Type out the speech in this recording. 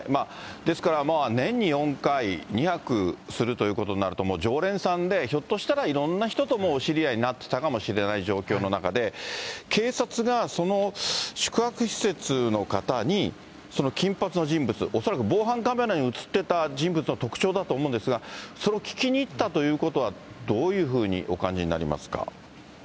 ですから、年に４回２泊するということになると、もう常連さんで、ひょっとしたら、いろんな人ともうお知り合いになってたかもしれない状況の中で、警察がその宿泊施設の方に金髪の人物、恐らく防犯カメラに写っていた人物の特徴だと思うんですが、それを聞きに行ったということは、どういうふうにお感じになりますか。